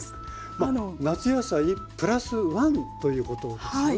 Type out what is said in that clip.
夏野菜＋１ということですよね？